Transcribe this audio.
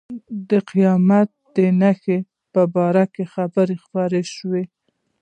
د قیامت نښانې په باره کې خبر خپور شوی و.